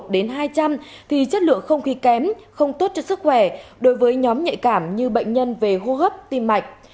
đến hai trăm linh thì chất lượng không khí kém không tốt cho sức khỏe đối với nhóm nhạy cảm như bệnh nhân về hô hấp tim mạch